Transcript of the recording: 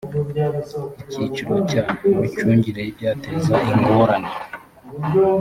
icyiciro cya…: imicungire y’ibyateza ingorane